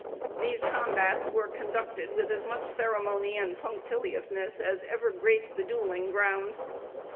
These combats were conducted with as much ceremony and punctiliousness as ever graced the duelling ground.